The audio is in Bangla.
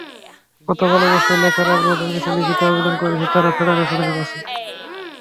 গতকাল অবশ্য খেলার আগ্রহ জানিয়ে লিখিত আবেদন করেছে তারা ফেডারেশনের কাছে।